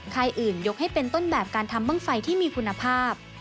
ค่ายอื่นยกให้เป็นต้นแบบการทำบ้างไฟที่มีคุณภาพ